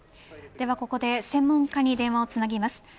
ではここで専門家に電話をつなぎます。